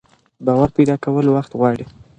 باور پيدا کول وخت غواړي.